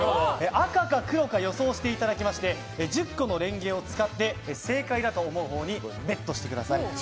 赤か黒か予想していただきまして１０個のレンゲを使って正解だと思うほうにベットしてください。